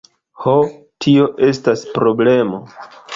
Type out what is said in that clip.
Ho, tio estas problemo!